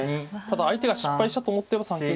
ただ相手が失敗したと思ってれば３九桂。